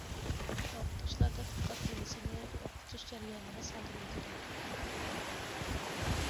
ئوقۇتقۇچىلار تەتقىقات تېمىسىنى ئوقۇتۇش جەريانىغا سىڭدۈرۈۋېتىدۇ.